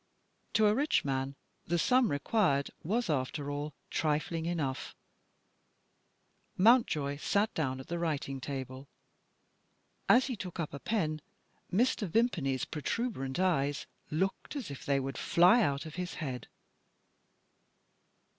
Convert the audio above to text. To a rich man the sum required was, after all, trifling enough. Mountjoy sat down at the writing table. As he took up a pen, Mr. Vimpany's protuberant eyes looked as if they would fly out of his head.